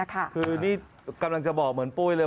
คือนี่กำลังจะบอกเหมือนปุ้ยเลย